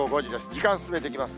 時間進めていきます。